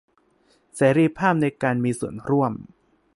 เสรีภาพในการมีส่วนร่วม